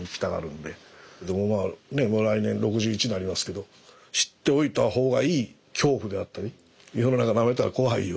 でもう来年６１になりますけど知っておいたほうがいい恐怖であったり「世の中なめたら怖いよ」